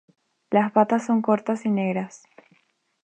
Las patas son cortas y negras.